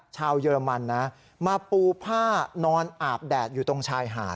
เยอรมันนะมาปูผ้านอนอาบแดดอยู่ตรงชายหาด